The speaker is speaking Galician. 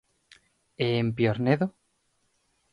E En Piornedo?